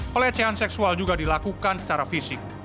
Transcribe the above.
pelecehan seksual juga dilakukan secara fisik